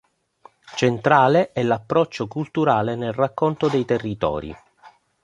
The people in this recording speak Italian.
Centrale è l'approccio culturale nel racconto dei territori.